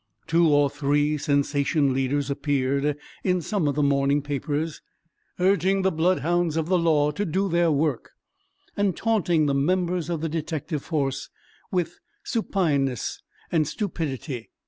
Two or three "sensation" leaders appeared in some of the morning papers, urging the bloodhounds of the law to do their work, and taunting the members of the detective force with supineness and stupidity.